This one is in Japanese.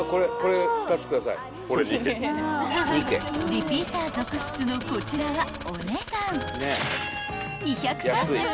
［リピーター続出のこちらはお値段］